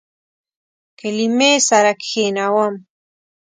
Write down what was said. کلمې سره کښینوم